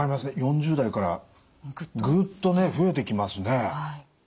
４０代からグッとね増えてきますね。